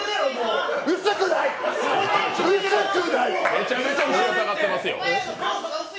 めちゃめちゃ後ろ下がってますよ。